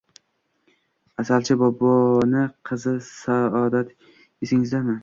Asalchi boboni qizi Saodat esingizdami